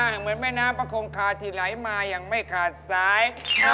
เหมือนแม่น้ำประคงคาที่ไหลมาอย่างไม่ขาดสาย